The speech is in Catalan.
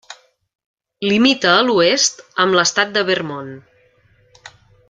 Limita a l'oest amb l'estat de Vermont.